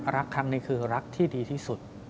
รักครั้งนี้คือรักที่ดีที่สุด